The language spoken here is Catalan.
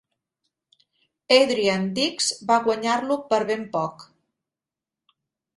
Adrian Dix va guanyar-lo per ben poc.